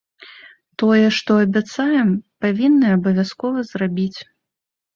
Тое, што абяцаем, павінны абавязкова зрабіць.